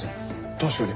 確かに。